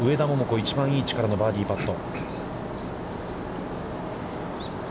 一番いい位置からの、バーディーパット。